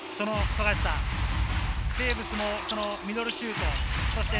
テーブスもミドルシュート。